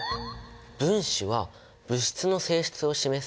分子は物質の性質を示す